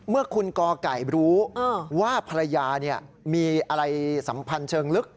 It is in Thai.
เมื่อคุณกไก่รู้ว่าภรรยามีอะไรสัมพันธ์เชิงลึก